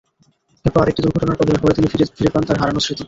এরপর আরেকটি দুর্ঘটনার কবলে পড়ে তিনি ফিরে পান তাঁর হারানো স্মৃতি।